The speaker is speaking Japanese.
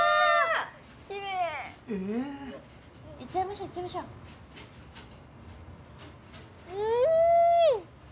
きれいええいっちゃいましょういっちゃいましょううん！